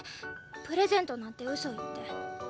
プレゼントなんてウソ言って。